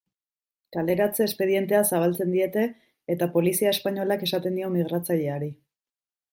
Kaleratze espedientea zabaltzen diete eta polizia espainolak esaten dio migratzaileari.